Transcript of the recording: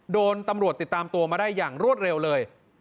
โดนตำรวจติดตามตัวมาได้อย่างรวดเร็วเลย